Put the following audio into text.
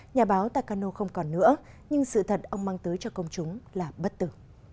nhà báo tacano không còn nữa nhưng sự thật ông mang tới cho công chúng là bất tử